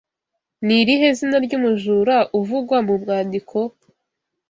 Ni irihe zina ry’umujura uvugwa mu mwandiko